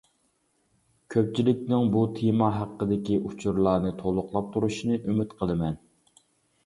كۆپچىلىكنىڭ بۇ تېما ھەققىدىكى ئۇچۇرلارنى تولۇقلاپ تۇرۇشىنى ئۈمىد قىلىمەن!